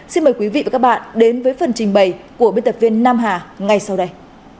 xin mời quý vị và các bạn đến với phần trình bày của biên tập viên nam hà ngay sau đây